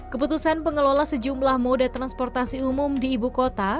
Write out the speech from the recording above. keputusan pengelola sejumlah moda transportasi umum di ibu kota